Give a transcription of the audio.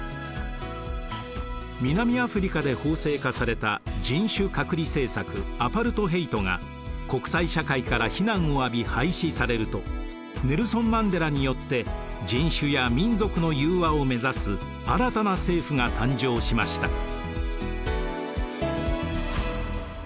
南アフリカで法制化された人種隔離政策アパルトヘイトが国際社会から非難を浴び廃止されるとネルソン・マンデラによって人種や民族の融和をめざす新たな政府が誕生しました。